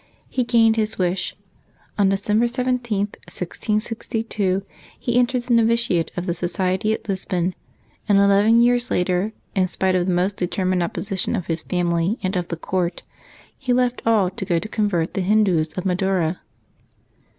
He gained his wish. On December 17, 1662, he entered the novitiate of the Society at Lisbon; and eleven years later, in spite of the most determined opposition of his family and of the court, he left all to go to convert the Hindus of Madura.